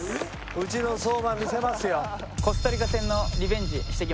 うちの相馬見せますよ。